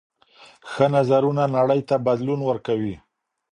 ښه نظرونه نړۍ ته بدلون ورکوي.